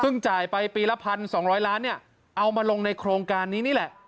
จ่ายไปปีละ๑๒๐๐ล้านเนี่ยเอามาลงในโครงการนี้นี่แหละ